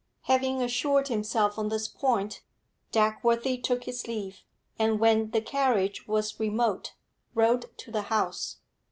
Having assured himself on this point, Dagworthy took his leave, and, when the carriage was remote, rode to the house.